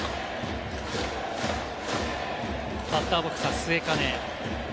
バッターボックスは末包。